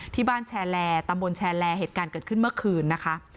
แชร์แลตำบลแชร์แลเหตุการณ์เกิดขึ้นเมื่อคืนนะคะ